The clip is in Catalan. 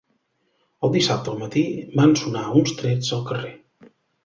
El dissabte al matí van sonar uns trets al carrer